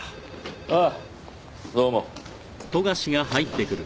ああどうも。